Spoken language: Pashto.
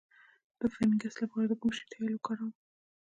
د فنګس لپاره د کوم شي تېل وکاروم؟